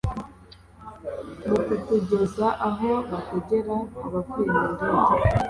mukutugeza aho bategera abavuye mu ndege